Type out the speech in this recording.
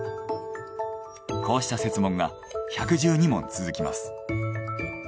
こうした設問が１１２問続きます。